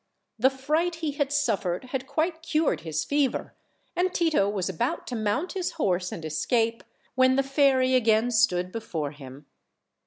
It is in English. The fright he had suffered had quite cured his fever, and Tito was about to mount his horse and escape, when the, fairy again stood before him.